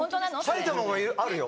埼玉もあるよ。